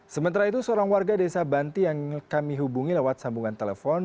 sementara itu seorang warga desa banti yang kami hubungi lewat sambungan telepon